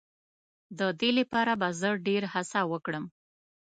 د دې لپاره به زه ډېر هڅه وکړم.